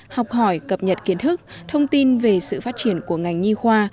học hỏi cập nhật kiến thức thông tin về sự phát triển của ngành nhi khoa